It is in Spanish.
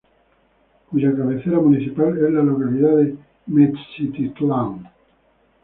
Cuya cabecera municipal es la localidad de Metztitlán.